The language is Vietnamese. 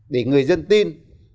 để người dân tin